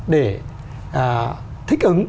để thích ứng